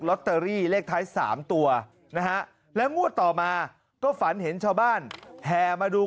ลอตเตอรี่เลขท้าย๓ตัวนะฮะแล้วงวดต่อมาก็ฝันเห็นชาวบ้านแห่มาดู